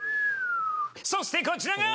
そしてこちらが！